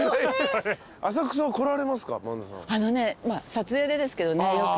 撮影でですけどねよく。